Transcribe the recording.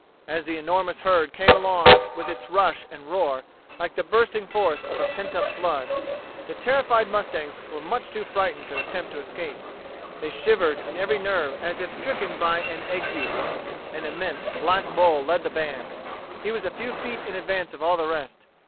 As the enormous herd came along with its rush and roar, like the bursting forth of a pent up flood, the terrified mustangs were too much frightened to attempt to escape. They shivered in every nerve as if stricken by an ague. An immense black bull led the band. He was a few feet in advance of all the rest.